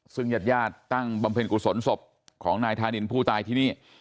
ซึ่งญาติญาติตั้งบำเพ็ญกุศลศพของนายธานินผู้ตายที่นี่